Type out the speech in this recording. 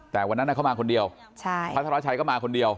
แต่วันนั้นเขามาคนเดียวพัทรชัยก็มาคนเดียว